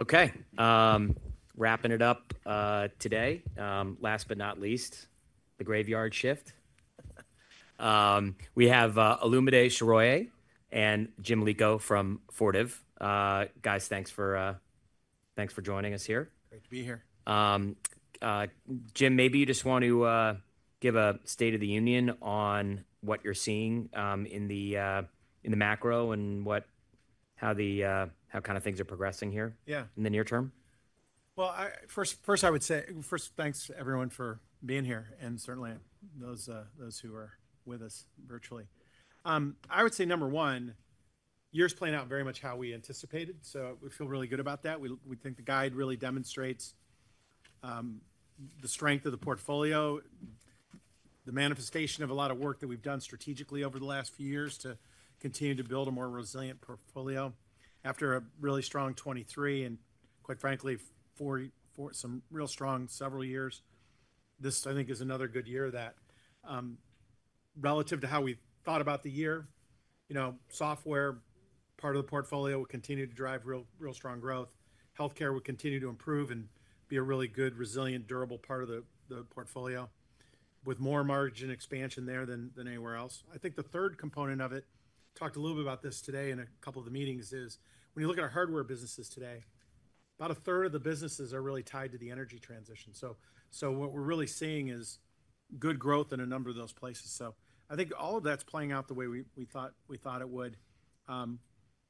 Okay, wrapping it up, today, last but not least, the graveyard shift. We have Olumide Soroye and Jim Lico from Fortive. Guys, thanks for, thanks for joining us here. Great to be here. Jim, maybe you just want to give a state of the union on what you're seeing in the macro and what, how the kind of things are progressing here. Yeah. In the near term. Well, first, thanks, everyone, for being here, and certainly those who are with us virtually. I would say, number one, year's playing out very much how we anticipated, so we feel really good about that. We think the guide really demonstrates the strength of the portfolio, the manifestation of a lot of work that we've done strategically over the last few years to continue to build a more resilient portfolio. After a really strong 2023 and, quite frankly, for some real strong several years, this, I think, is another good year that, relative to how we thought about the year, you know, software part of the portfolio will continue to drive real strong growth. Healthcare will continue to improve and be a really good, resilient, durable part of the portfolio, with more margin expansion there than anywhere else. I think the third component of it, talked a little bit about this today in a couple of the meetings, is when you look at our hardware businesses today, about a third of the businesses are really tied to the energy transition. So, so what we're really seeing is good growth in a number of those places. So I think all of that's playing out the way we, we thought, we thought it would.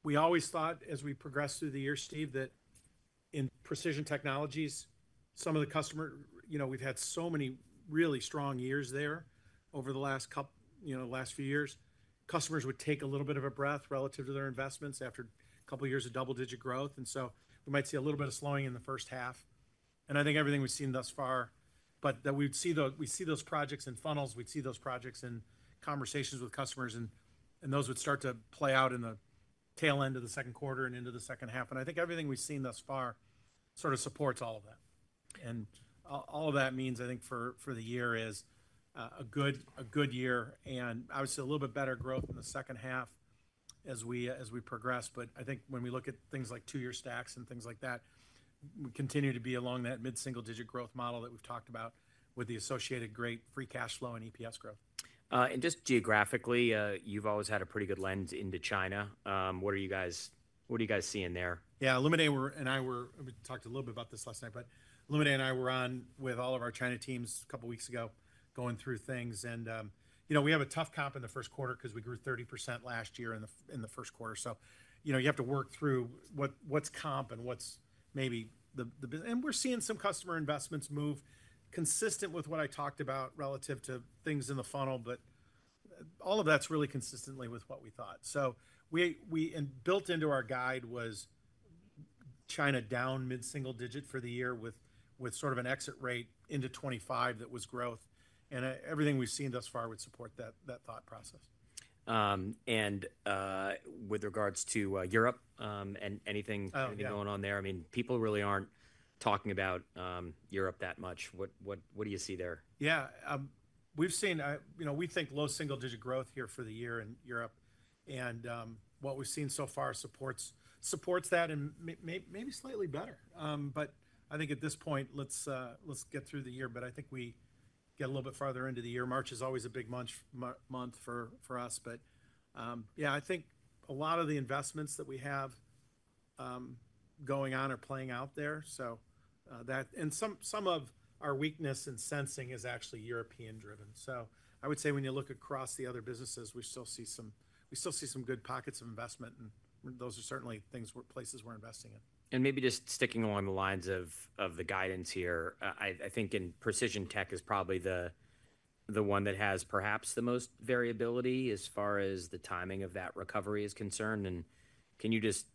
We always thought, as we progressed through the year, Steve, that in Precision Technologies, some of the customers—you know, we've had so many really strong years there over the last couple, you know, last few years—would take a little bit of a breath relative to their investments after a couple of years of double-digit growth. And so we might see a little bit of slowing in the first half. And I think everything we've seen thus far, but that we'd see those—we see those projects in funnels, we'd see those projects in conversations with customers, and, and those would start to play out in the tail end of the second quarter and into the second half. And I think everything we've seen thus far sort of supports all of that. And all, all of that means, I think, for, for the year is, a good, a good year and, obviously, a little bit better growth in the second half as we, as we progress. But I think when we look at things like two-year stacks and things like that, we continue to be along that mid-single-digit growth model that we've talked about with the associated great free cash flow and EPS growth. Just geographically, you've always had a pretty good lens into China. What are you guys—what are you guys seeing there? Yeah, Olumide and I—we talked a little bit about this last night, but Olumide and I were on with all of our China teams a couple of weeks ago going through things. And, you know, we have a tough comp in the first quarter 'cause we grew 30% last year in the first quarter. So, you know, you have to work through what, what's comp and what's maybe the, the—and we're seeing some customer investments move consistent with what I talked about relative to things in the funnel, but all of that's really consistently with what we thought. So we, we—and built into our guide was China down mid-single digit for the year with, with sort of an exit rate into 2025 that was growth. And, everything we've seen thus far would support that, that thought process. With regards to Europe and anything going on there, I mean, people really aren't talking about Europe that much. What do you see there? Yeah, we've seen. I, you know, we think low single-digit growth here for the year in Europe. And what we've seen so far supports that and may maybe slightly better. But I think at this point, let's get through the year. But I think we get a little bit farther into the year. March is always a big month for us. But yeah, I think a lot of the investments that we have going on are playing out there. So that and some of our weakness in sensing is actually European-driven. So I would say when you look across the other businesses, we still see some good pockets of investment, and those are certainly things we're places we're investing in. Maybe just sticking along the lines of the guidance here, I think in Precision Tek is probably the one that has perhaps the most variability as far as the timing of that recovery is concerned. Can you just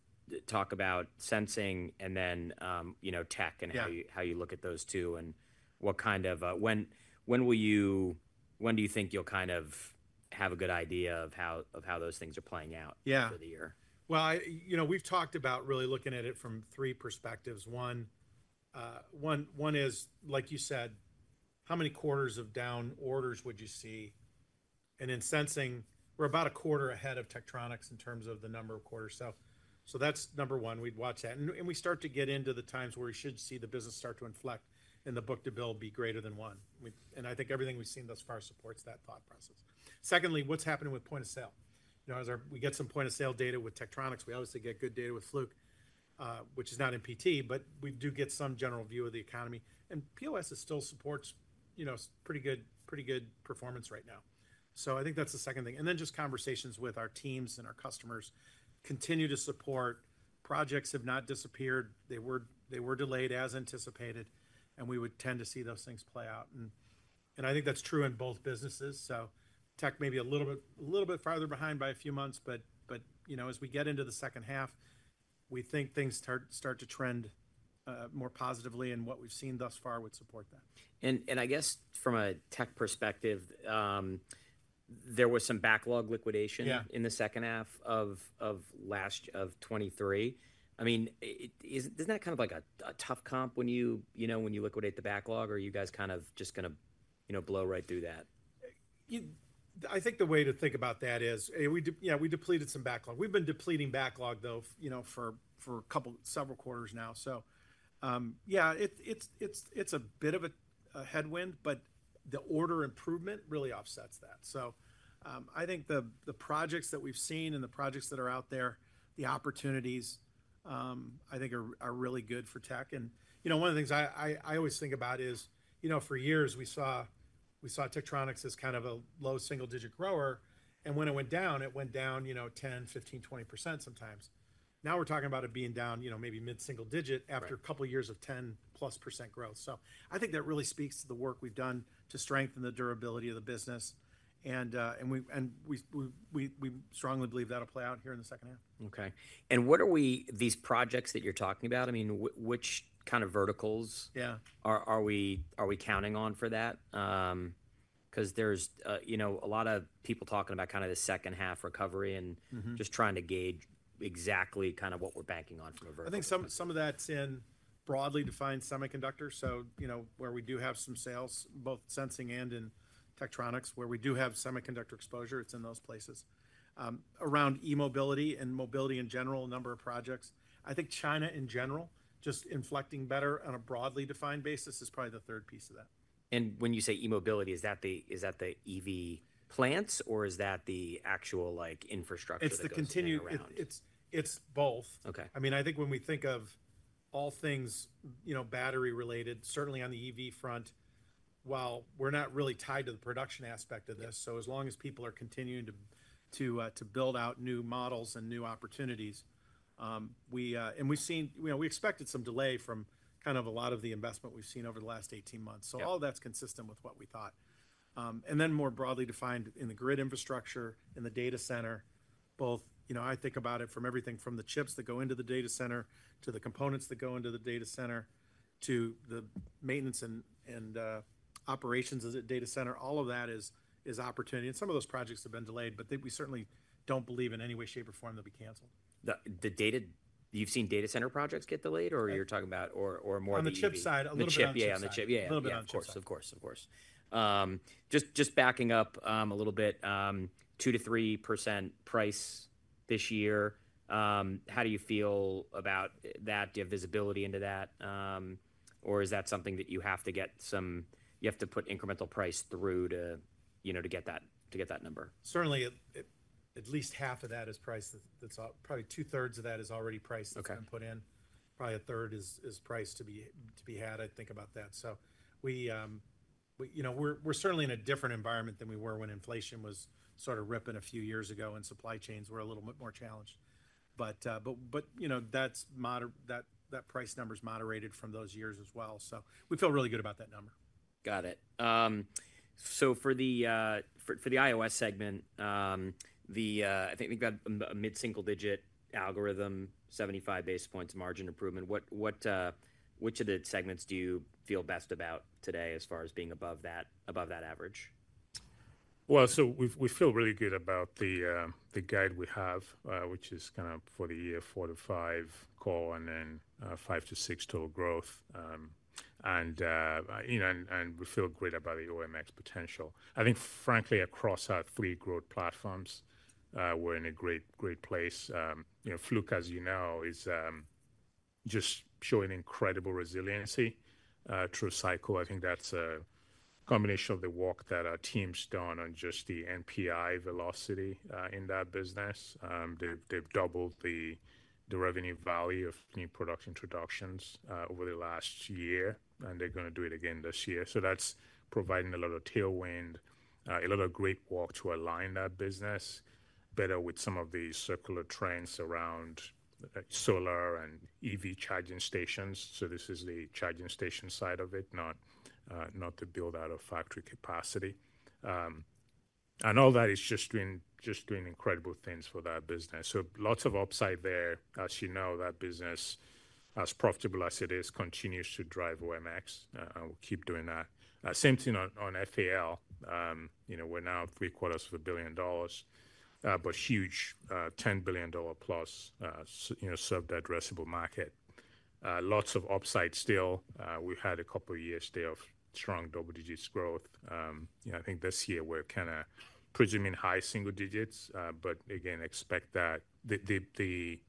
talk about sensing and then, you know, Tek and how you look at those two and what kind of, when will you, when do you think you'll kind of have a good idea of how those things are playing out for the year? Yeah. Well, I, you know, we've talked about really looking at it from three perspectives. One, one, one is, like you said, how many quarters of down orders would you see? And in sensing, we're about a quarter ahead of Tektronix in terms of the number of quarters. So, so that's number one. We'd watch that. And, and we start to get into the times where we should see the business start to inflect and the book to bill be greater than one. We, and I think everything we've seen thus far supports that thought process. Secondly, what's happening with point of sale? You know, as our—we get some point of sale data with Tektronix. We obviously get good data with Fluke, which is not in PT, but we do get some general view of the economy. And POS still supports, you know, pretty good, pretty good performance right now. So I think that's the second thing. And then just conversations with our teams and our customers continue to support. Projects have not disappeared. They were delayed as anticipated. And we would tend to see those things play out. And I think that's true in both businesses. So Tek may be a little bit farther behind by a few months, but you know, as we get into the second half, we think things start to trend more positively, and what we've seen thus far would support that. I guess from a Tek perspective, there was some backlog liquidation in the second half of last 2023. I mean, isn't that kind of like a tough comp when you know when you liquidate the backlog, or are you guys kind of just gonna, you know, blow right through that? Yeah, I think the way to think about that is, hey, we depleted some backlog. We've been depleting backlog, though, you know, for several quarters now. So, yeah, it's a bit of a headwind, but the order improvement really offsets that. So, I think the projects that we've seen and the projects that are out there, the opportunities, I think are really good for Tek. And, you know, one of the things I always think about is, you know, for years, we saw Tektronix as kind of a low single-digit grower. And when it went down, you know, 10%, 15%, 20% sometimes. Now we're talking about it being down, you know, maybe mid-single digit after a couple of years of 10%+ growth. So I think that really speaks to the work we've done to strengthen the durability of the business. And we strongly believe that'll play out here in the second half. Okay. And what are these projects that you're talking about? I mean, which kind of verticals are we counting on for that? 'Cause there's, you know, a lot of people talking about kind of the second half recovery and just trying to gauge exactly kind of what we're banking on from a vertical. I think some of that's in broadly defined semiconductors. So, you know, where we do have some sales, both sensing and in Tektronix, where we do have semiconductor exposure, it's in those places around e-mobility and mobility in general, a number of projects. I think China in general, just inflecting better on a broadly defined basis, is probably the third piece of that. When you say e-mobility, is that the EV plants, or is that the actual, like, infrastructure that goes around? It's both. Okay. I mean, I think when we think of all things, you know, battery-related, certainly on the EV front, while we're not really tied to the production aspect of this, so as long as people are continuing to build out new models and new opportunities, and we've seen, you know, we expected some delay from kind of a lot of the investment we've seen over the last 18 months. So all of that's consistent with what we thought. And then more broadly defined in the grid infrastructure, in the data center, both, you know, I think about it from everything from the chips that go into the data center to the components that go into the data center to the maintenance and operations of the data center, all of that is opportunity. Some of those projects have been delayed, but they—we certainly don't believe in any way, shape, or form they'll be canceled. The data, you've seen data center projects get delayed, or you're talking about, or more of the EV? On the chip side, a little bit on the chip. On the chip, yeah, on the chip side. Yeah, a little bit on chip side. Of course, of course, of course. Just, just backing up a little bit, 2%-3% price this year. How do you feel about that? Do you have visibility into that, or is that something that you have to get some—you have to put incremental price through to, you know, to get that—to get that number? Certainly, it at least half of that is priced. That's probably two-thirds of that is already priced that's been put in. Probably a third is priced to be had, I think, about that. So we, you know, we're certainly in a different environment than we were when inflation was sort of ripping a few years ago, and supply chains were a little bit more challenged. But, you know, that price number's moderated from those years as well. So we feel really good about that number. Got it. So for the IOS segment, I think we've got a mid-single-digit algorithm, 75 basis points margin improvement. Which of the segments do you feel best about today as far as being above that average? Well, so we feel really good about the guide we have, which is kind of for the year 4.5% core and then 5%-6% total growth. You know, we feel great about the OMX potential. I think, frankly, across our three growth platforms, we're in a great, great place. You know, Fluke, as you know, is just showing incredible resiliency through cycle. I think that's a combination of the work that our team's done on just the NPI velocity in that business. They've doubled the revenue value of new product introductions over the last year, and they're going to do it again this year. So that's providing a lot of tailwind, a lot of great work to align that business better with some of these circular trends around solar and EV charging stations. So this is the charging station side of it, not the build-out of factory capacity. All that is just doing incredible things for that business. Lots of upside there. As you know, that business, as profitable as it is, continues to drive OMX, and will keep doing that. Same thing on FAL. You know, we're now $750 million, but huge, $10 billion+, you know, serve the addressable market. Lots of upside still. We've had a couple of years there of strong double-digit growth. You know, I think this year we're kind of presuming high single-digit, but again, expect that the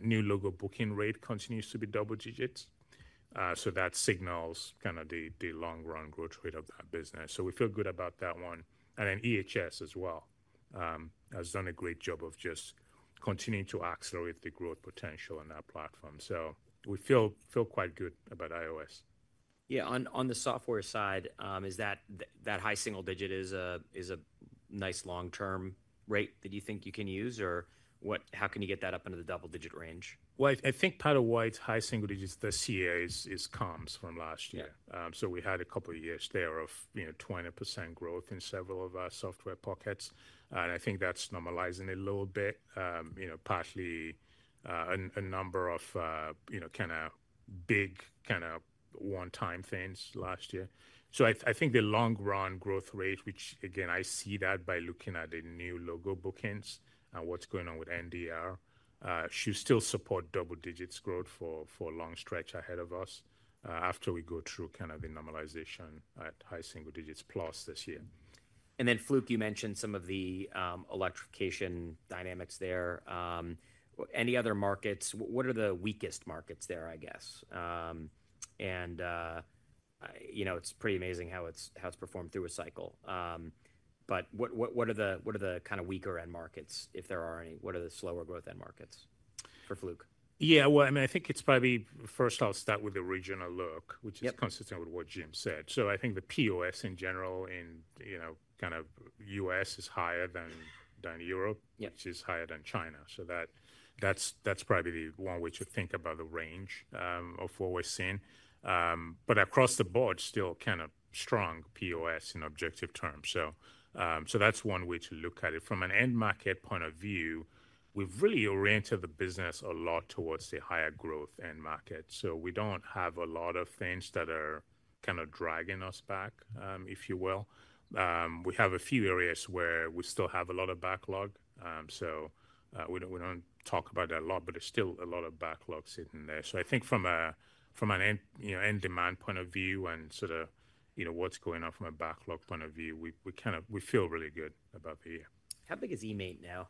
new logo booking rate continues to be double-digit. So that signals kind of the long-run growth rate of that business. So we feel good about that one. And then EHS as well has done a great job of just continuing to accelerate the growth potential on that platform. So we feel quite good about IOS. Yeah, on the software side, is that high single-digit a nice long-term rate that you think you can use, or what—how can you get that up into the double-digit range? Well, I think part of why it's high single-digits this year is comps from last year. So we had a couple of years there of, you know, 20% growth in several of our software pockets. And I think that's normalizing it a little bit, you know, partly a number of, you know, kind of big one-time things last year. So I think the long-run growth rate, which, again, I see that by looking at the new logo bookings and what's going on with NDR, should still support double-digits growth for a long stretch ahead of us, after we go through kind of the normalization at high single-digits plus this year. And then Fluke, you mentioned some of the electrification dynamics there. Any other markets? What are the weakest markets there, I guess? And I, you know, it's pretty amazing how it's, how it's performed through a cycle. But what, what, what are the—what are the kind of weaker-end markets, if there are any? What are the slower-growth-end markets for Fluke? Yeah, well, I mean, I think it's probably first. I'll start with the regional look, which is consistent with what Jim said. So I think the POS in general in, you know, kind of U.S. is higher than than Europe, which is higher than China. So that, that's, that's probably the one way to think about the range of what we've seen. But across the board, still kind of strong POS in objective terms. So, so that's one way to look at it. From an end-market point of view, we've really oriented the business a lot towards the higher-growth-end market. So we don't have a lot of things that are kind of dragging us back, if you will. We have a few areas where we still have a lot of backlog. So, we don't—we don't talk about it a lot, but there's still a lot of backlog sitting there. So I think from an end-demand point of view and sort of, you know, what's going on from a backlog point of view, we kind of, we feel really good about the year. How big is eMaint now?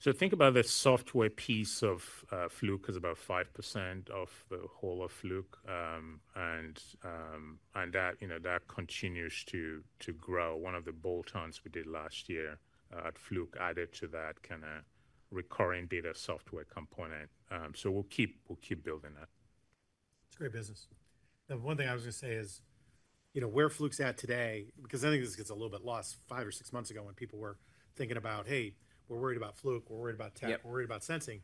So think about the software piece of Fluke is about 5% of the whole of Fluke. And that, you know, that continues to grow. One of the bolt-ons we did last year at Fluke added to that kind of recurring data software component. So we'll keep building that. It's great business. The one thing I was going to say is, you know, where Fluke's at today, because I think this gets a little bit lost five or six months ago when people were thinking about, "Hey, we're worried about Fluke. We're worried about Tek. We're worried about sensing."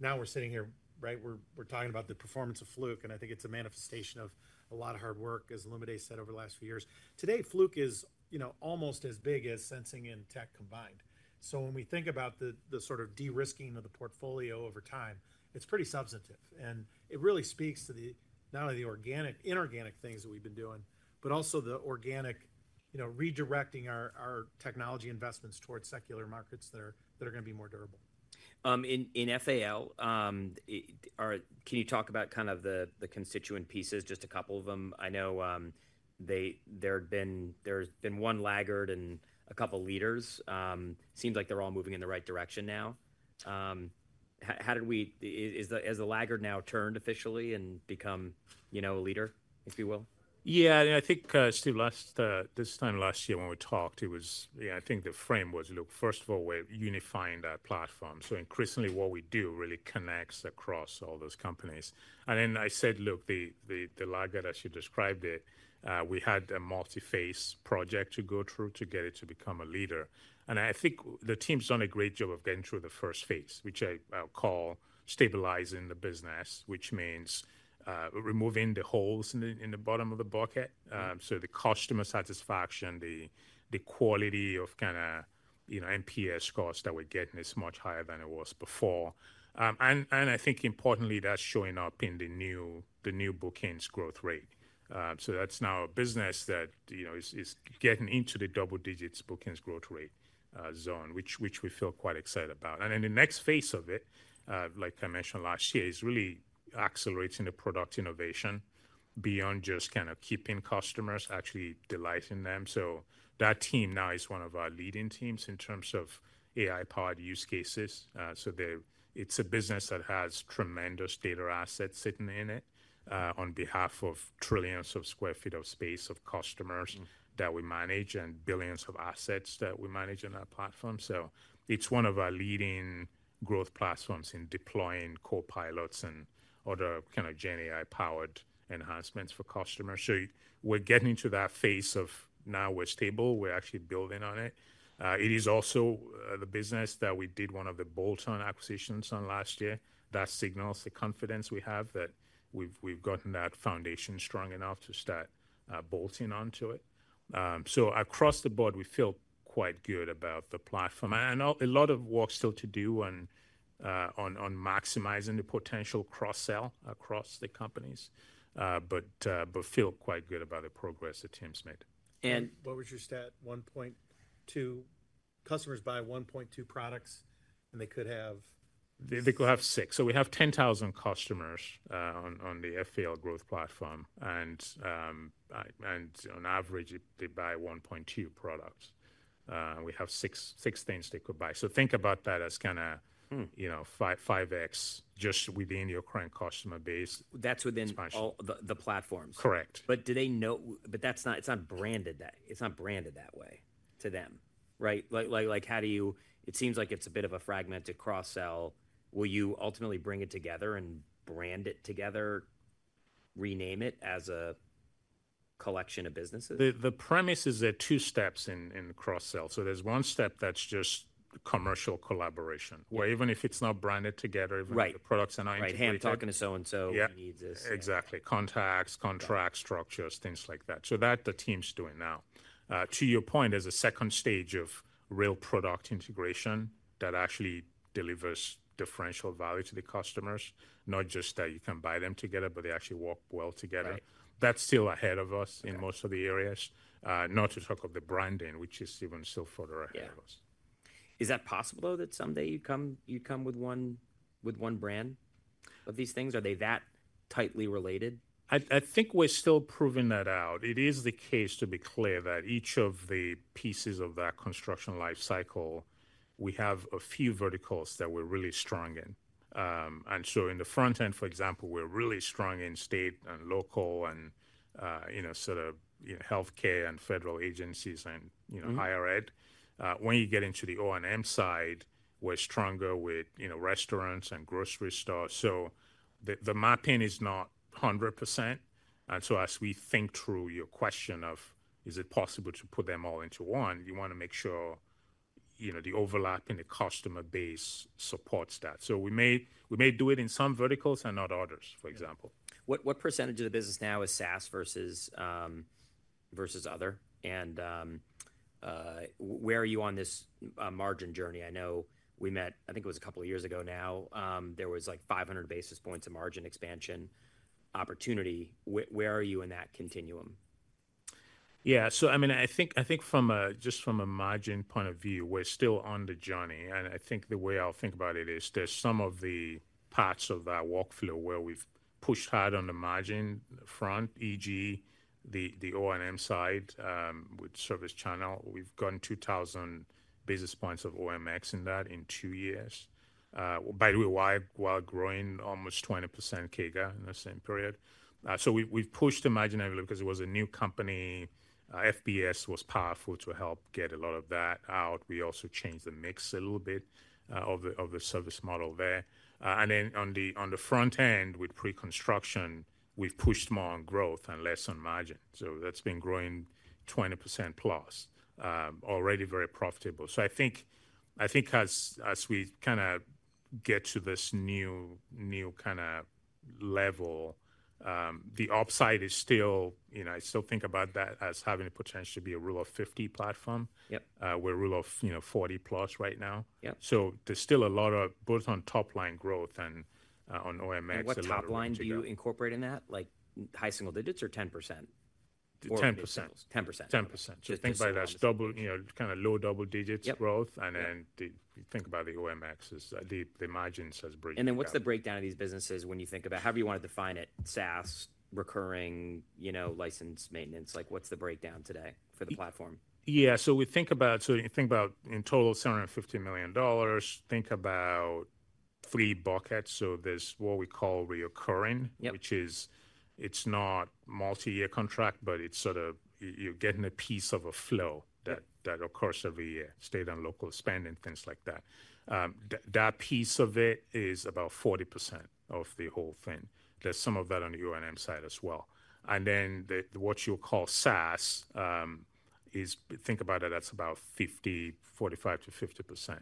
Now we're sitting here, right? We're talking about the performance of Fluke, and I think it's a manifestation of a lot of hard work, as Olumide said over the last few years. Today, Fluke is, you know, almost as big as sensing and Tek combined. So when we think about the sort of de-risking of the portfolio over time, it's pretty substantive. It really speaks to not only the organic, inorganic things that we've been doing, but also the organic, you know, redirecting our technology investments towards secular markets that are going to be more durable. In FAL, can you talk about kind of the constituent pieces? Just a couple of them. I know there'd been—there's been one laggard and a couple leaders. Seems like they're all moving in the right direction now. How did we—is the—has the laggard now turned officially and become, you know, a leader, if you will? Yeah, and I think, Steve, last this time last year when we talked, it was, yeah, I think the frame was, look, first of all, we're unifying that platform. So increasingly, what we do really connects across all those companies. And then I said, look, the laggard, as you described it, we had a multi-phase project to go through to get it to become a leader. And I think the team's done a great job of getting through the first phase, which I'll call stabilizing the business, which means removing the holes in the bottom of the bucket. So the customer satisfaction, the quality of, you know, NPS scores that we're getting is much higher than it was before. And I think importantly, that's showing up in the new bookings growth rate. So that's now a business that, you know, is getting into the double-digit bookings growth rate zone, which we feel quite excited about. And then the next phase of it, like I mentioned last year, is really accelerating the product innovation beyond just kind of keeping customers, actually delighting them. So that team now is one of our leading teams in terms of AI-powered use cases. So it's a business that has tremendous data assets sitting in it, on behalf of trillions of sq ft of space of customers that we manage and billions of assets that we manage on that platform. So it's one of our leading growth platforms in deploying co-pilots and other kind of GenAI-powered enhancements for customers. So we're getting into that phase of now we're stable. We're actually building on it. It is also the business that we did one of the bolt-on acquisitions on last year. That signals the confidence we have that we've gotten that foundation strong enough to start bolting onto it. So across the board, we feel quite good about the platform. And a lot of work's still to do on maximizing the potential cross-sell across the companies, but feel quite good about the progress the team's made. What was your stat? 1.2 customers buy 1.2 products, and they could have. They could have 6. So we have 10,000 customers on the FAL growth platform. And on average, they buy 1.2 products. We have 6 things they could buy. So think about that as kind of, you know, 5x just within your current customer base. That's within all the platforms. Correct. But do they know? But that's not, it's not branded that, it's not branded that way to them, right? Like, like, like, how do you, it seems like it's a bit of a fragmented cross-sell. Will you ultimately bring it together and brand it together, rename it as a collection of businesses? The premise is there are two steps in cross-sell. So there's one step that's just commercial collaboration, where even if it's not branded together, even if the products are not integrated. Right, right. "Hey, I'm talking to so-and-so. He needs this. Yeah, exactly. Contacts, contract structures, things like that. So that the team's doing now. To your point, there's a second stage of real product integration that actually delivers differential value to the customers, not just that you can buy them together, but they actually work well together. That's still ahead of us in most of the areas, not to talk of the branding, which is even still further ahead of us. Yeah. Is that possible, though, that someday you'd come—you'd come with one—with one brand of these things? Are they that tightly related? I, I think we're still proving that out. It is the case, to be clear, that each of the pieces of that construction lifecycle, we have a few verticals that we're really strong in. So in the front end, for example, we're really strong in state and local and, you know, sort of, you know, healthcare and federal agencies and, you know, higher ed. When you get into the O&M side, we're stronger with, you know, restaurants and grocery stores. So the, the mapping is not 100%. And so as we think through your question of, "Is it possible to put them all into one?" you want to make sure, you know, the overlap in the customer base supports that. So we may—we may do it in some verticals and not others, for example. What, what percentage of the business now is SaaS versus, versus other? And, where are you on this, margin journey? I know we met—I think it was a couple of years ago now. There was like 500 basis points of margin expansion opportunity. Where, where are you in that continuum? Yeah, so, I mean, I think from a—just from a margin point of view, we're still on the journey. And I think the way I'll think about it is there's some of the parts of that workflow where we've pushed hard on the margin front, e.g., the O&M side, with ServiceChannel. We've gotten 2,000 basis points of OMX in that in two years. By the way, while growing almost 20% CAGR in the same period. So we've pushed immensely because it was a new company. FBS was powerful to help get a lot of that out. We also changed the mix a little bit, of the service model there. And then on the front end with pre-construction, we've pushed more on growth and less on margin. So that's been growing 20%+, already very profitable. So I think as we kind of get to this new kind of level, the upside is still, you know, I still think about that as having the potential to be a Rule of 50 platform. Yep. We're Rule of, you know, 40+ right now. Yep. So there's still a lot of both on top-line growth and, on OMX a little bit. What top-line do you incorporate in that? Like high single digits or 10%? 10%. 10%. 10%. So think about it as double, you know, kind of low double-digits growth. And then the—you think about the OMX as the, the margins as breakdown. And then what's the breakdown of these businesses when you think about, however you want to define it, SaaS, recurring, you know, license, maintenance? Like what's the breakdown today for the platform? Yeah, so we think about—so you think about in total $750 million, think about three buckets. So there's what we call reoccurring, which is it's not multi-year contract, but it's sort of you're getting a piece of a flow that, that occurs every year, state and local spend and things like that. That piece of it is about 40% of the whole thing. There's some of that on the O&M side as well. And then the, what you'll call SaaS, is think about it as about 50%, 45%-50%.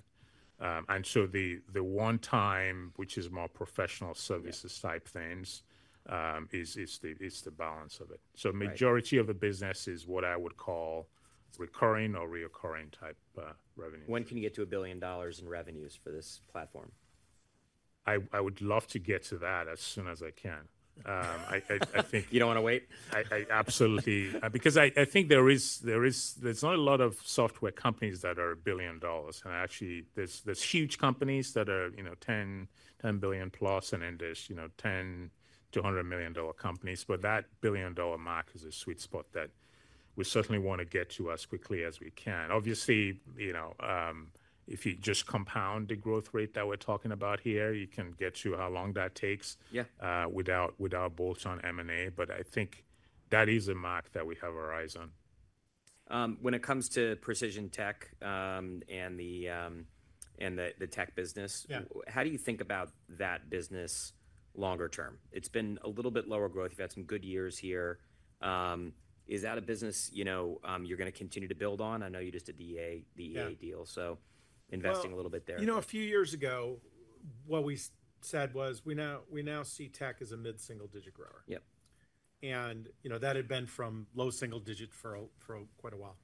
And so the, the one-time, which is more professional services type things, is, is the, is the balance of it. So majority of the business is what I would call recurring or reoccurring type, revenues. When can you get to $1 billion in revenues for this platform? I would love to get to that as soon as I can. I think. You don't want to wait? I absolutely. Because I think there's not a lot of software companies that are $1 billion. And actually, there's huge companies that are, you know, $10 billion+, and then there's, you know, $10 million-$100 million companies. But that $1 billion mark is a sweet spot that we certainly want to get to as quickly as we can. Obviously, you know, if you just compound the growth rate that we're talking about here, you can get to how long that takes. Yeah. without bolt-on M&A. But I think that is a mark that we have our eyes on. When it comes to Precision Tek, and the Tek business, how do you think about that business longer term? It's been a little bit lower growth. You've had some good years here. Is that a business, you know, you're going to continue to build on? I know you just did the EA deal, so investing a little bit there. You know, a few years ago, what we said was we now see Tek as a mid-single digit grower. Yep. You know, that had been from low single-digit for quite a while.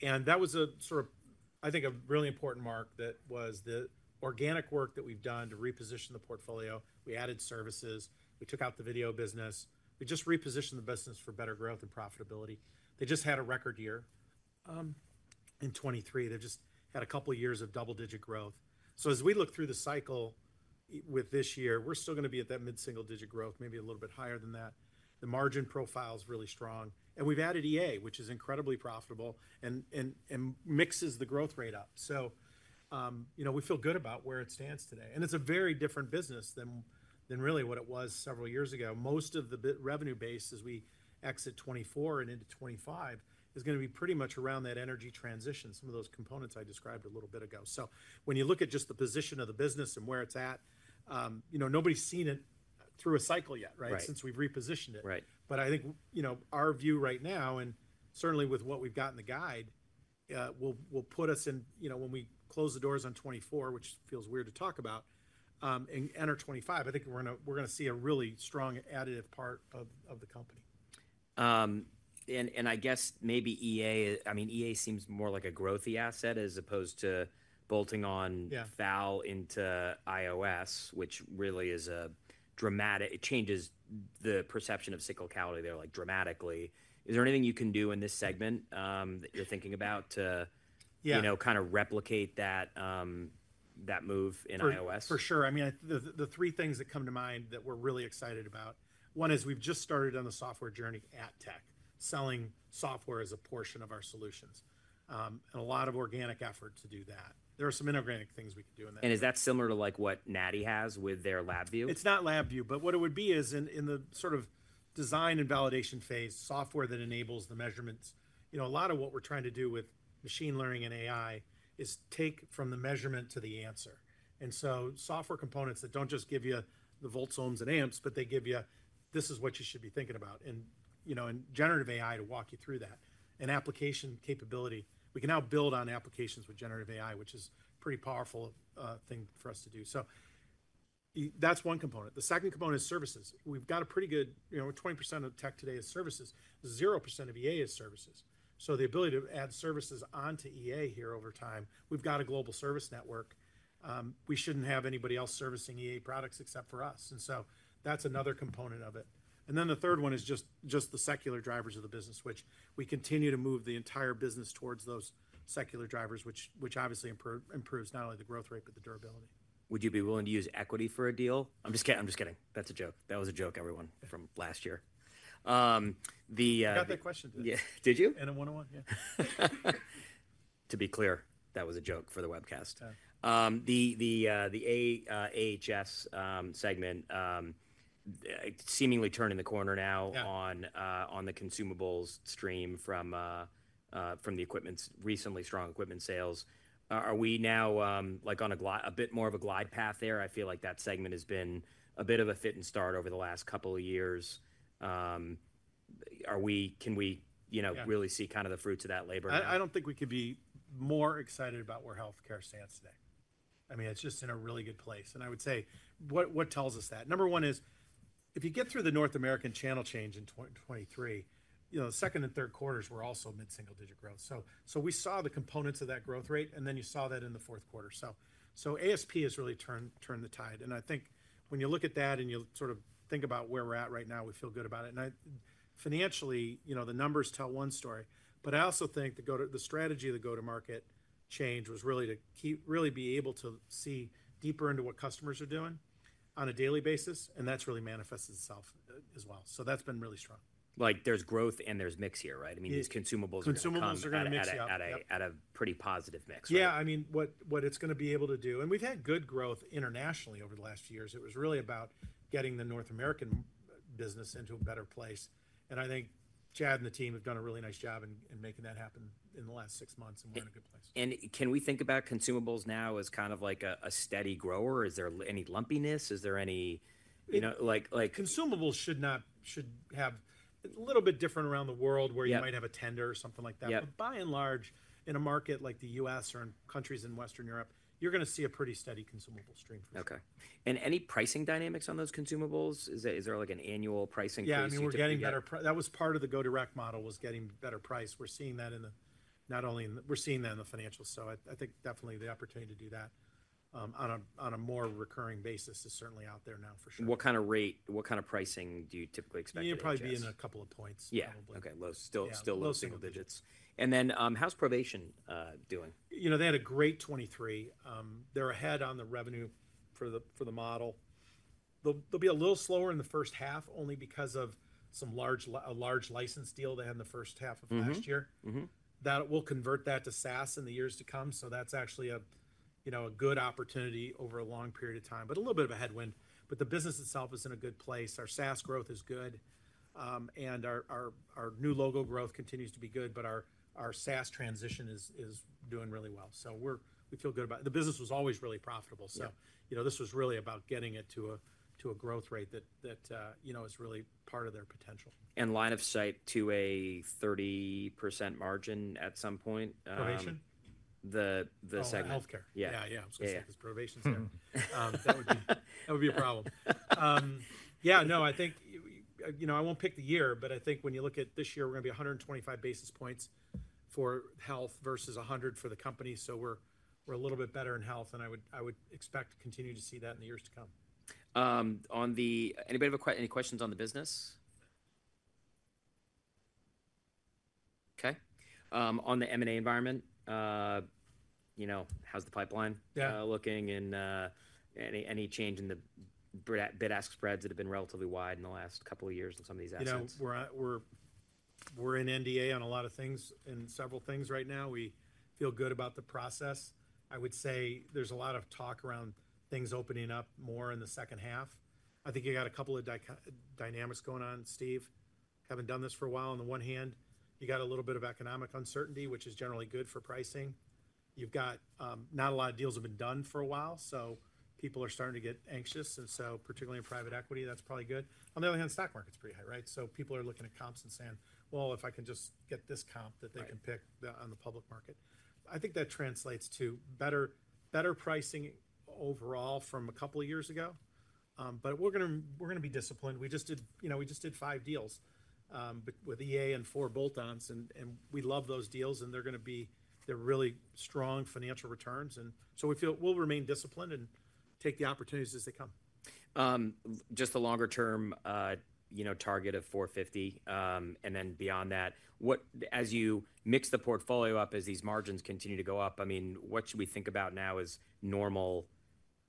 That was a sort of, I think, a really important mark that was the organic work that we've done to reposition the portfolio. We added services. We took out the video business. We just repositioned the business for better growth and profitability. They just had a record year in 2023. They just had a couple of years of double-digit growth. So as we look through the cycle with this year, we're still going to be at that mid-single-digit growth, maybe a little bit higher than that. The margin profile's really strong. We've added EA, which is incredibly profitable and mixes the growth rate up. So, you know, we feel good about where it stands today. It's a very different business than really what it was several years ago. Most of the revenue base as we exit 2024 and into 2025 is going to be pretty much around that energy transition, some of those components I described a little bit ago. So when you look at just the position of the business and where it's at, you know, nobody's seen it through a cycle yet, right, since we've repositioned it. Right. But I think, you know, our view right now, and certainly with what we've got in the guide, will, will put us in, you know, when we close the doors on 2024, which feels weird to talk about, and enter 2025, I think we're going to—we're going to see a really strong additive part of, of the company. I guess maybe EA—I mean, EA seems more like a growthy asset as opposed to bolting on FAL into IOS, which really is a dramatic, it changes the perception of cyclicality there, like, dramatically. Is there anything you can do in this segment, that you're thinking about to, you know, kind of replicate that, that move in IOS? For sure. I mean, the three things that come to mind that we're really excited about, one is we've just started on the software journey at Tek, selling software as a portion of our solutions, and a lot of organic effort to do that. There are some inorganic things we could do in that. Is that similar to, like, what Natty has with their LabVIEW? It's not LabVIEW. But what it would be is in the sort of design and validation phase, software that enables the measurements, you know, a lot of what we're trying to do with machine learning and AI is take from the measurement to the answer. And so software components that don't just give you the volts, ohms, and amps, but they give you, "This is what you should be thinking about," and, you know, and generative AI to walk you through that, and application capability. We can now build on applications with generative AI, which is a pretty powerful thing for us to do. So that's one component. The second component is services. We've got a pretty good, you know, 20% of Tek today is services. 0% of EA is services. So the ability to add services onto EA here over time, we've got a global service network. We shouldn't have anybody else servicing EA products except for us. And so that's another component of it. And then the third one is just the secular drivers of the business, which we continue to move the entire business towards those secular drivers, which obviously improves not only the growth rate, but the durability. Would you be willing to use equity for a deal? I'm just kidding. I'm just kidding. That's a joke. That was a joke, everyone, from last year. I got that question today. Yeah. Did you? M&A 101, yeah. To be clear, that was a joke for the webcast. The AHS segment, seemingly turning the corner now on the consumables stream from the equipment's recently strong equipment sales. Are we now, like, on a bit more of a glide path there? I feel like that segment has been a bit of a fits and starts over the last couple of years. Are we, can we, you know, really see kind of the fruits of that labor? I don't think we could be more excited about where healthcare stands today. I mean, it's just in a really good place. And I would say what tells us that? Number one is if you get through the North American channel change in 2023, you know, the second and third quarters were also mid-single digit growth. So we saw the components of that growth rate, and then you saw that in the fourth quarter. So ASP has really turned the tide. And I think when you look at that and you sort of think about where we're at right now, we feel good about it. And financially, you know, the numbers tell one story. But I also think the go-to-market strategy of the go-to-market change was really to keep really be able to see deeper into what customers are doing on a daily basis. That's really manifested itself as well. That's been really strong. Like, there's growth and there's mix here, right? I mean, these consumables are going to mix up. Consumables are going to mix up. At a pretty positive mix, right? Yeah. I mean, what it's going to be able to do and we've had good growth internationally over the last few years. It was really about getting the North American business into a better place. I think Chad and the team have done a really nice job in making that happen in the last six months, and we're in a good place. Can we think about consumables now as kind of like a steady grower? Is there any lumpiness? Is there, you know, like? Consumables should have a little bit different around the world where you might have a tender or something like that. But by and large, in a market like the U.S. or in countries in Western Europe, you're going to see a pretty steady consumable stream for sure. Okay. Any pricing dynamics on those consumables? Is there like an annual pricing increase? Yeah. I mean, we're getting better price. That was part of the go-to-market model was getting better price. We're seeing that in the financials. So I, I think definitely the opportunity to do that, on a more recurring basis is certainly out there now for sure. What kind of pricing do you typically expect? You're probably be in a couple of points, probably. Yeah. Okay. Low. Still, still low single digits. And then, how's Provation doing? You know, they had a great 2023. They're ahead on the revenue for the model. They'll be a little slower in the first half only because of a large license deal they had in the first half of last year. That will convert that to SaaS in the years to come. So that's actually a, you know, a good opportunity over a long period of time, but a little bit of a headwind. But the business itself is in a good place. Our SaaS growth is good. And our new logo growth continues to be good. But our SaaS transition is doing really well. So we're—we feel good about it. The business was always really profitable. So, you know, this was really about getting it to a growth rate that, you know, is really part of their potential. Line of sight to a 30% margin at some point. Provation? The segment. Oh, healthcare. Yeah. Yeah, yeah. I was going to say because Precision's there. That would be, that would be a problem. Yeah. No, I think, you know, I won't pick the year, but I think when you look at this year, we're going to be 125 basis points for health versus 100 for the company. So we're, we're a little bit better in health. And I would, I would expect to continue to see that in the years to come. the, anybody have a question, any questions on the business? Okay. On the M&A environment, you know, how's the pipeline looking? And, any, any change in the bid-ask spreads that have been relatively wide in the last couple of years on some of these assets? You know, we're in NDA on a lot of things in several things right now. We feel good about the process. I would say there's a lot of talk around things opening up more in the second half. I think you got a couple of dynamics going on, Steve. Haven't done this for a while. On the one hand, you got a little bit of economic uncertainty, which is generally good for pricing. You've got, not a lot of deals have been done for a while, so people are starting to get anxious. And so particularly in private equity, that's probably good. On the other hand, stock market's pretty high, right? So people are looking at comps and saying, "Well, if I can just get this comp that they can pick on the public market." I think that translates to better pricing overall from a couple of years ago. but we're going to—we're going to be disciplined. We just did, you know, we just did five deals, with EA and four bolt-ons. And we love those deals. And they're going to be—they're really strong financial returns. And so we feel we'll remain disciplined and take the opportunities as they come. Just the longer term, you know, target of 450, and then beyond that, what, as you mix the portfolio up as these margins continue to go up, I mean, what should we think about now as normal,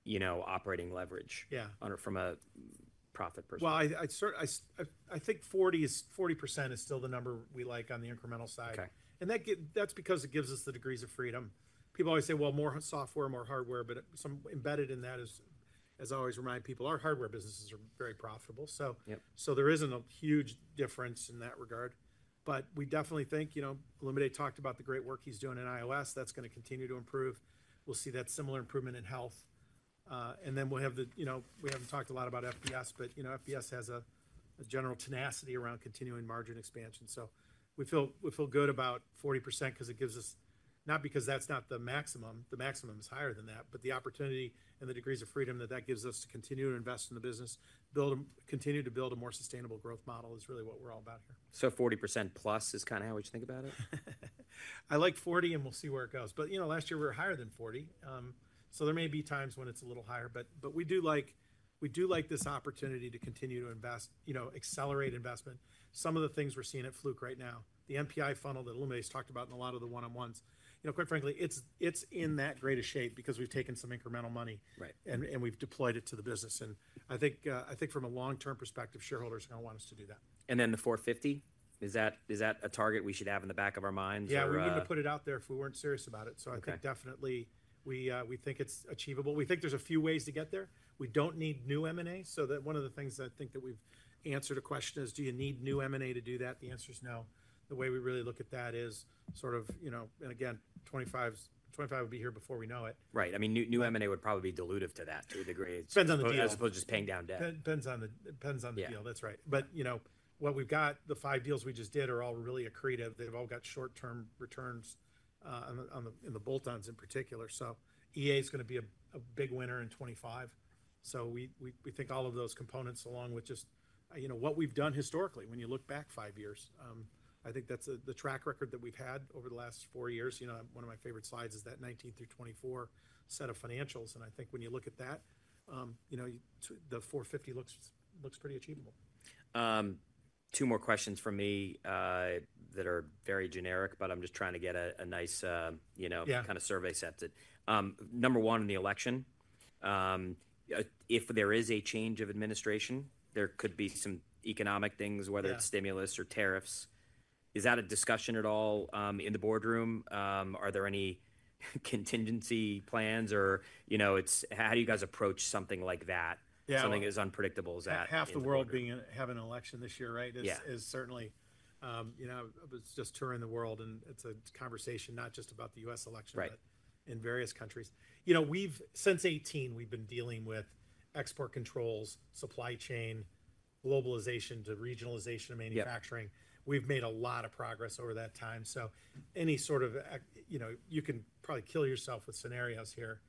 you know, operating leverage? Yeah. From a profit perspective? Well, I think 40% is still the number we like on the incremental side. Okay. That gives—that's because it gives us the degrees of freedom. People always say, "Well, more software, more hardware." But some embedded in that is, as I always remind people, our hardware businesses are very profitable. So, so there isn't a huge difference in that regard. But we definitely think, you know, Olumide talked about the great work he's doing in IOS. That's going to continue to improve. We'll see that similar improvement in health. And then we'll have the—you know, we haven't talked a lot about FPS, but, you know, FPS has a, a general tenacity around continuing margin expansion. So we feel—we feel good about 40% because it gives us—not because that's not the maximum. The maximum is higher than that. The opportunity and the degrees of freedom that that gives us to continue to invest in the business, continue to build a more sustainable growth model is really what we're all about here. 40%+ is kind of how would you think about it? I like 40, and we'll see where it goes. But, you know, last year we were higher than 40, so there may be times when it's a little higher. But, but we do like—we do like this opportunity to continue to invest, you know, accelerate investment. Some of the things we're seeing at Fluke right now, the NPI funnel that Olumide's talked about in a lot of the one-on-ones, you know, quite frankly, it's—it's in that greatest shape because we've taken some incremental money. Right. We've deployed it to the business. I think from a long-term perspective, shareholders are going to want us to do that. And then the 450, is that a target we should have in the back of our minds? Yeah. We wouldn't have put it out there if we weren't serious about it. So I think definitely we, we think it's achievable. We think there's a few ways to get there. We don't need new M&A. So that one of the things I think that we've answered a question is, "Do you need new M&A to do that?" The answer is no. The way we really look at that is sort of, you know, and again, 2025's—2025 would be here before we know it. Right. I mean, new, new M&A would probably be dilutive to that to a degree. Depends on the deal. As opposed to just paying down debt. Depends on the deal. That's right. But, you know, what we've got, the 5 deals we just did are all really accretive. They've all got short-term returns, on the, in the bolt-ons in particular. So EA is going to be a big winner in 2025. So we think all of those components, along with just, you know, what we've done historically, when you look back 5 years, I think that's the track record that we've had over the last 4 years. You know, one of my favorite slides is that 2019 through 2024 set of financials. I think when you look at that, you know, the 450 looks pretty achievable. Two more questions from me, that are very generic, but I'm just trying to get a nice, you know, kind of survey set. Number one, in the election, if there is a change of administration, there could be some economic things, whether it's stimulus or tariffs. Is that a discussion at all, in the boardroom? Are there any contingency plans or, you know, it's how do you guys approach something like that? Something as unpredictable as that? Yeah. Half the world having an election this year, right? Yeah. It's certainly, you know, it's just touring the world. It's a conversation not just about the U.S. election, but in various countries. You know, we've, since 2018, we've been dealing with export controls, supply chain, globalization to regionalization of manufacturing. We've made a lot of progress over that time. So any sort of, you know, you can probably kill yourself with scenarios here,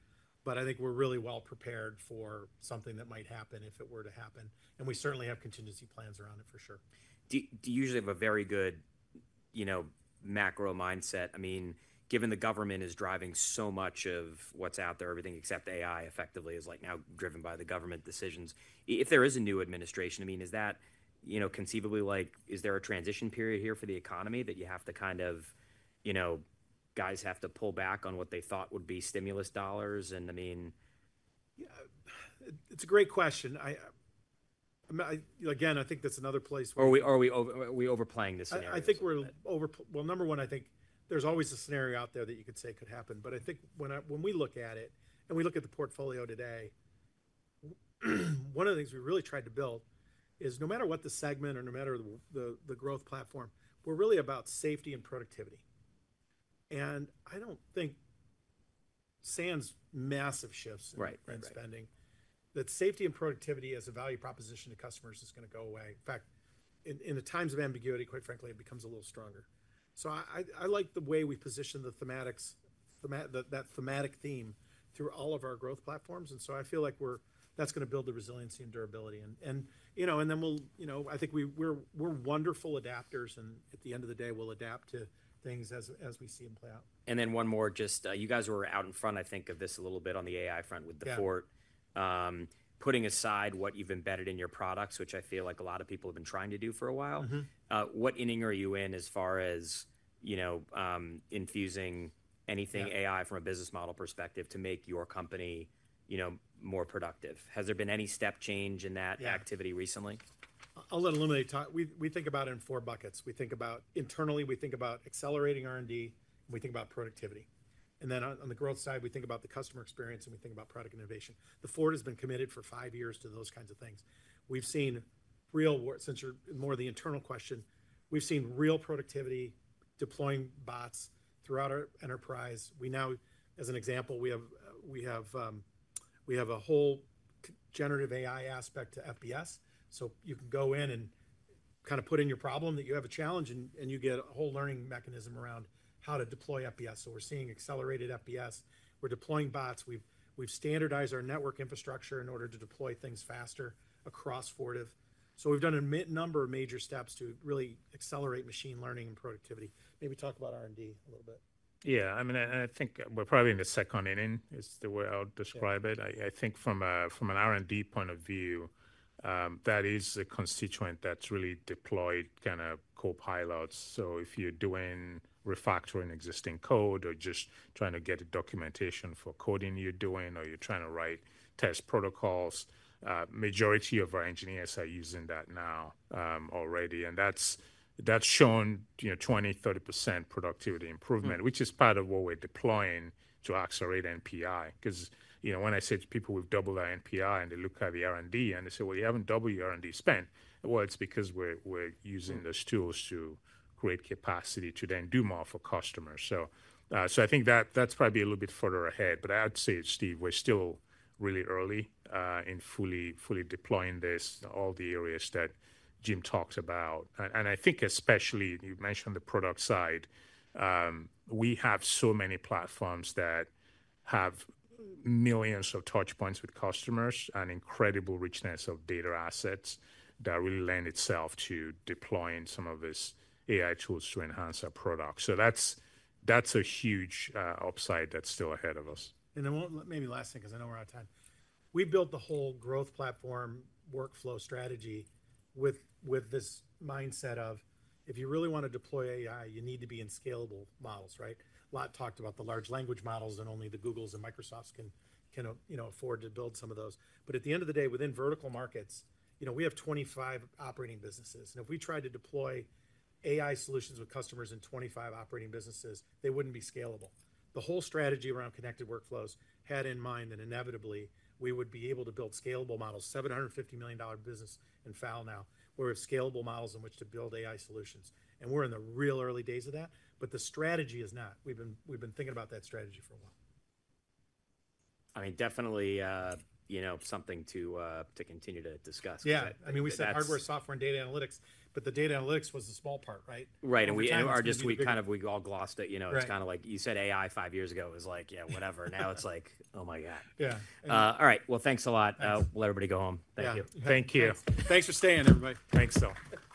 but I think we're really well prepared for something that might happen if it were to happen. We certainly have contingency plans around it for sure. Do you usually have a very good, you know, macro mindset? I mean, given the government is driving so much of what's out there, everything except AI effectively is like now driven by the government decisions. If there is a new administration, I mean, is that, you know, conceivably like, is there a transition period here for the economy that you have to kind of, you know, guys have to pull back on what they thought would be stimulus dollars? And I mean. Yeah. It's a great question. I mean, again, I think that's another place where. Are we overplaying the scenarios? I think we're over, well, number one, I think there's always a scenario out there that you could say could happen. But I think when I, when we look at it and we look at the portfolio today, one of the things we really tried to build is no matter what the segment or no matter the growth platform, we're really about safety and productivity. And I don't think stands massive shifts in spending. That safety and productivity as a value proposition to customers is going to go away. In fact, in the times of ambiguity, quite frankly, it becomes a little stronger. So I, I, I like the way we position the thematics, that thematic theme through all of our growth platforms. And so I feel like we're, that's going to build the resiliency and durability. And, and, you know, and then we'll, you know, I think we're, we're wonderful adapters. At the end of the day, we'll adapt to things as we see them play out. Then one more, just you guys were out in front, I think, of this a little bit on the AI front with Fortive. Putting aside what you've embedded in your products, which I feel like a lot of people have been trying to do for a while, what inning are you in as far as, you know, infusing anything AI from a business model perspective to make your company, you know, more productive? Has there been any step change in that activity recently? Yeah. I'll let Olumide talk. We think about it in four buckets. We think about internally, we think about accelerating R&D, and we think about productivity. And then on the growth side, we think about the customer experience, and we think about product innovation. Fortive has been committed for five years to those kinds of things. We've seen real—since you're more the internal question—we've seen real productivity deploying bots throughout our enterprise. We now, as an example, we have a whole generative AI aspect to FBS. So you can go in and kind of put in your problem that you have a challenge, and you get a whole learning mechanism around how to deploy FBS. So we're seeing accelerated FBS. We're deploying bots. We've standardized our network infrastructure in order to deploy things faster across Fortive. So we've done a number of major steps to really accelerate machine learning and productivity. Maybe talk about R&D a little bit. Yeah. I mean, and I think we're probably going to second inning is the way I'll describe it. I think from an R&D point of view, that is the constituent that's really deployed kind of Copilot. So if you're doing refactoring existing code or just trying to get the documentation for coding you're doing or you're trying to write test protocols, the majority of our engineers are using that now, already. And that's shown, you know, 20%-30% productivity improvement, which is part of what we're deploying to accelerate NPI. Because, you know, when I say to people, "We've doubled our NPI," and they look at the R&D and they say, "Well, you haven't doubled your R&D spend." Well, it's because we're using those tools to create capacity to then do more for customers. So, so I think that's probably be a little bit further ahead. But I would say, Steve, we're still really early in fully deploying this, all the areas that Jim talked about. I think especially you mentioned the product side. We have so many platforms that have millions of touchpoints with customers and incredible richness of data assets that really lend itself to deploying some of these AI tools to enhance our products. So that's a huge upside that's still ahead of us. And then one maybe last thing, because I know we're out of time. We built the whole growth platform workflow strategy with this mindset of if you really want to deploy AI, you need to be in scalable models, right? A lot talked about the large language models and only the Googles and Microsofts can, you know, afford to build some of those. But at the end of the day, within vertical markets, you know, we have 25 operating businesses. And if we tried to deploy AI solutions with customers in 25 operating businesses, they wouldn't be scalable. The whole strategy around connected workflows had in mind that inevitably we would be able to build scalable models. $750 million business in FAL now. We have scalable models in which to build AI solutions. And we're in the real early days of that. But the strategy is not. We've been thinking about that strategy for a while. I mean, definitely, you know, something to continue to discuss. Yeah. I mean, we said hardware, software, and data analytics. But the data analytics was the small part, right? Right. And we are just—we kind of—we all glossed it. You know, it's kind of like you said AI five years ago was like, "Yeah, whatever." Now it's like, "Oh my God. Yeah. All right. Well, thanks a lot. We'll let everybody go home. Thank you. Yeah. Thank you. Thanks for staying, everybody. Thanks, though.